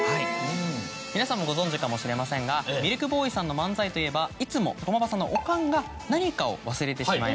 皆さんもご存じかもしれませんがミルクボーイさんの漫才といえばいつも駒場さんのおかんが何かを忘れてしまいます。